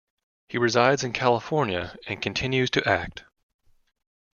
He resides in California and continues to act.